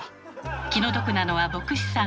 気の毒なのは牧師さん。